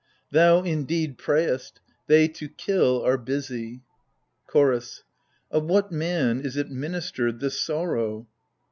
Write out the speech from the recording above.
Thou, indeed, prayest : they to kill are busy ! CHOROS. Of what man is it ministered, this sorrow